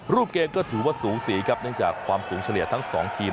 รูปเกมก็ถือว่าสูสีครับเนื่องจากความสูงเฉลี่ยทั้ง๒ทีม